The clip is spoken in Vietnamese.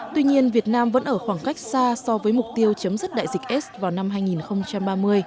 tuy nhiên việt nam vẫn ở khoảng cách xa so với mục tiêu chấm dứt đại dịch s vào năm hai nghìn ba mươi